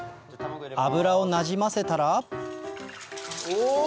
油をなじませたらお！